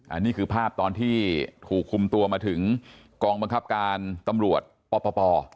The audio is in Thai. อันนี้คือภาพตอนที่ถูกคุมตัวมาถึงกองบังคับการตำรวจปป